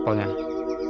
tentang ilmu hitam